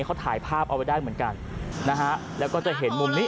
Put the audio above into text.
เขาถ่ายภาพเอาไว้ได้เหมือนกันนะฮะแล้วก็จะเห็นมุมนี้